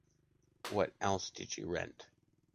What else did you rent?